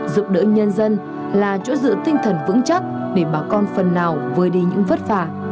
giúp đỡ nhân dân là chỗ dựa tinh thần vững chắc để bà con phần nào vơi đi những vất vả